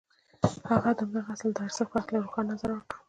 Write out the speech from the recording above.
هغه د همدغه اصل د ارزښت په هکله روښانه نظر ورکړ.